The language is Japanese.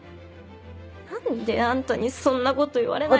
何であんたにそんなこと言われないと。